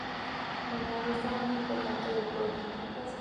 Es la fiesta más importante del pueblo.